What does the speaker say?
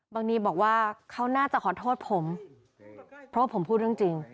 นีบอกว่าเขาน่าจะขอโทษผมเพราะว่าผมพูดเรื่องจริง